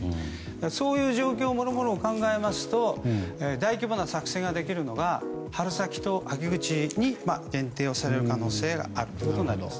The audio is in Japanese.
そういう状況を考えますと大規模な作戦ができるのは春先と秋口に限定される可能性があるとなります。